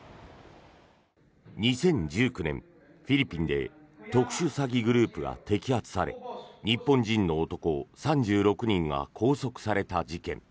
２０１９年、フィリピンで特殊詐欺グループが摘発され日本人の男３６人が拘束された事件。